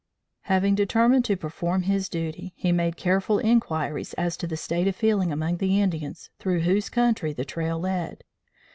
Having determined to perform his duty, he made careful inquiries as to the state of feeling among the Indians through whose country the trail led.